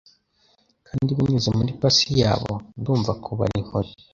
Kandi binyuze muri pulse yabo ndumva, kubara inkoni